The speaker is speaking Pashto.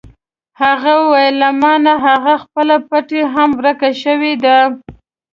هغه وویل: له ما نه هغه خپله پټۍ هم ورکه شوې ده.